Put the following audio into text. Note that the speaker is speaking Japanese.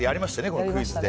このクイズで。